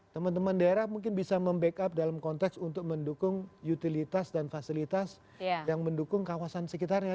teman teman daerah mungkin bisa membackup dalam konteks untuk mendukung utilitas dan fasilitas yang mendukung kawasan sekitarnya